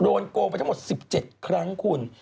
โกงไปทั้งหมด๑๗ครั้งคุณ